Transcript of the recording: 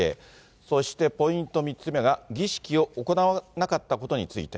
そしてポイント３つ目が、儀式を行わなかったことについて。